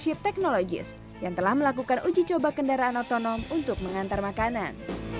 chip teknologis yang telah melakukan uji coba kendaraan otonom untuk mengantar makanan